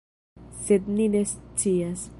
Sed mi ne scias.